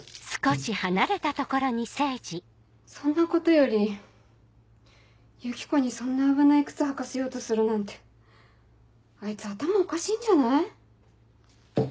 そんなことよりユキコにそんな危ない靴履かせようとするなんてあいつ頭おかしいんじゃない？